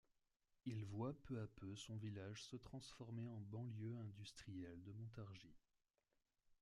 Il voit peu à peu son village se transformer en banlieue industrielle de Montargis.